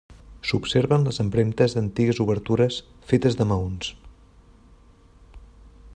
S'observen les empremtes d'antigues obertures fetes de maons.